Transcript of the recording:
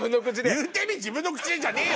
「言うてみ自分の口で」じゃねえよ！